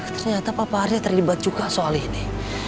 ternyata papa arya terlibat juga soal ini